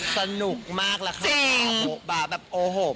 สนุกมากละค่ะบาแบบโอโหบจริง